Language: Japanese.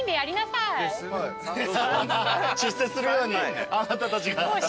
出世するようにあなたたちが。